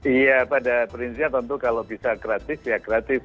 iya pada prinsipnya tentu kalau bisa gratis ya gratis